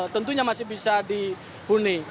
tentunya masih bisa dibuni